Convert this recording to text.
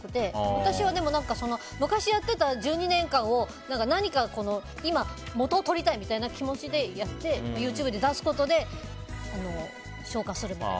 私は昔やってた１２年間を何か今、元を取りたいみたいな気持ちでやってＹｏｕＴｕｂｅで出すことで昇華するみたいな。